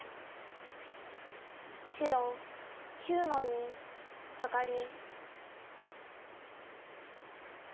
白９の二サガリ。